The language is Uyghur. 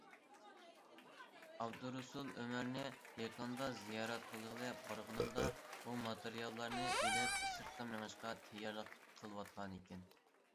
ئابدۇرۇسۇل ئۆمەرنى يېقىندا زىيارەت قىلغىلى بارغىنىمدا، ئۇ ماتېرىياللارنى ئېلىپ سىرتقا مېڭىشقا تەييارلىق قىلىۋاتقانىكەن.